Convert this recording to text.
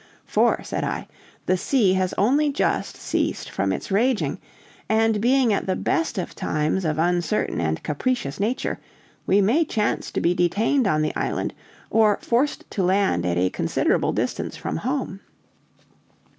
"For," said I, "the sea has only just ceased from its raging, and being at the best of times of uncertain and capricious nature, we may chance to be detained on the island, or forced to land at a considerable distance from home."